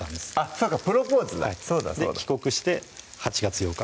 そっかプロポーズだそうだそうだ帰国して８月８日